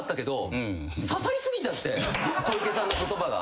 小池さんの言葉が。